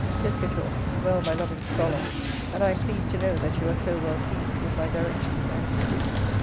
Piscator. Well, my loving scholar, and I am pleased to know that you are so well pleased with my direction and discourse.